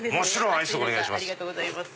暑い中ありがとうございます。